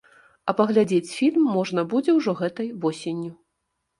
А паглядзець фільм можна будзе ўжо гэтай восенню.